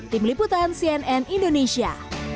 tim liputan cnn indonesia